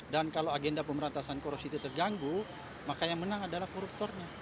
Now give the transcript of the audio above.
dan kalau agenda pemberantasan korupsi itu terganggu maka yang menang adalah koruptornya